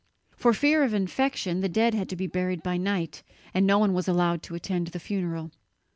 For fear of infection, the dead had to be buried by night, and no one was allowed to attend the funeral.